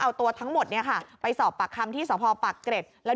เอาตัวทั้งหมดเนี่ยค่ะไปสอบปากคำที่สภปากเกร็ดแล้ว